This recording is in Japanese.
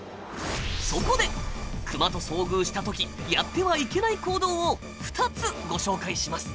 そこでクマと遭遇した時やってはいけない行動を２つご紹介します。